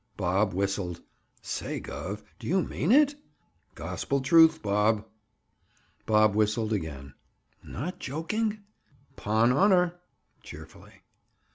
Bob whistled. "Say, Gov., do you mean it?" "Gospel truth, Bob." Bob whistled again. "Not joking?" "'Pon honor!" Cheerfully.